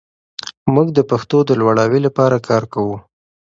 موږ د پښتو د لوړاوي لپاره کار کوو.